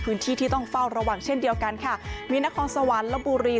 พื้นที่ที่ต้องเฝ้าระวังเช่นเดียวกันค่ะมีนครสวรรค์ลบบุรี